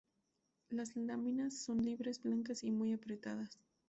Las láminas son libres, blancas y muy apretadas.